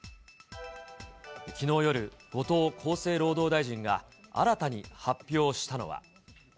きのう夜、後藤厚生労働大臣が新たに発表したのは。